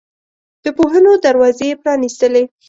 د پوهنو دروازې یې پرانستلې.